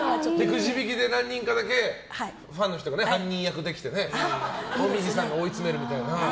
くじ引きで何人かだけファンの人が犯人役で来て紅葉さんが追い詰めるみたいな。